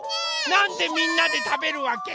なんでみんなでたべるわけ？